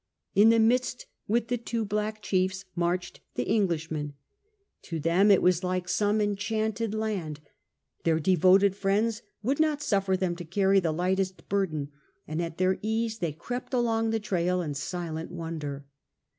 In the midst with the two black chiefs marched the Englishmen. To them it was like some enchanted m FIRST SIGHT OF THE PACIFIC 37 land. Their devoted friends would not suffer them to carry the lightest burden, and at their ease they crept along the trail in silent wonder.